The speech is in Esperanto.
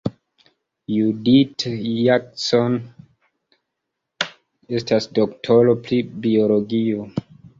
Judith Jackson estas doktoro pri biologio.